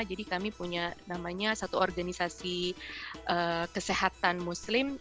jadi kami punya namanya satu organisasi kesehatan muslim